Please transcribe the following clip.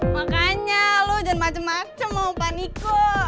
makanya lo jangan macem macem sama pak niko